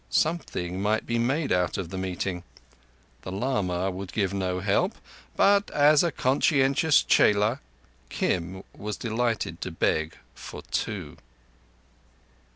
Something might be made out of the meeting. The lama would give him no help, but, as a conscientious chela, Kim was delighted to beg for two.